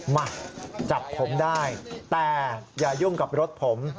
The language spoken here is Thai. มาจับผมได้แต่อย่ายุ่งกับรถผม